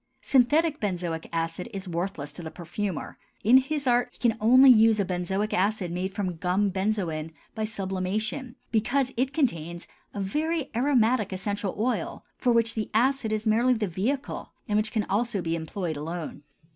Synthetic benzoic acid is worthless to the perfumer; in his art he can use only a benzoic acid made from gum benzoin by sublimation, because it contains a very aromatic essential oil for which the acid is merely the vehicle and which can also be employed alone.